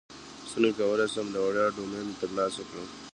څنګه کولی شم د وړیا ډومین ترلاسه کړم